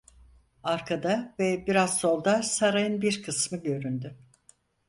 Arkada ve biraz solda sarayın bir kısmı göründü.